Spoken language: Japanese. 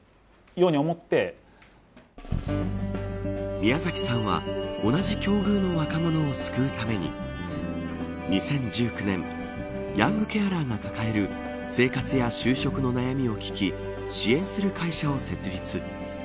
宮崎さんは同じ境遇の若者を救うために２０１９年ヤングケアラーが抱える生活や就職の悩みを聞き支援する会社を設立。